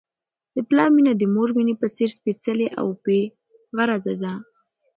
د پلار مینه د مور د مینې په څېر سپیڅلې او بې غرضه ده.